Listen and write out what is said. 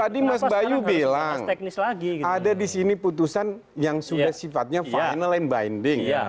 tadi mas bayu bilang ada di sini putusan yang sudah sifatnya final and binding